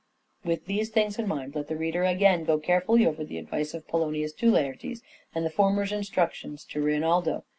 With these things in mind let the reader again go carefully over the advice of Polonius to Laertes, and the former's instructions to Reynaldo.